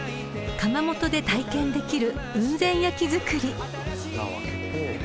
［窯元で体験できる雲仙焼作り］